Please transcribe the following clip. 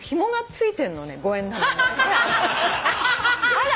あら。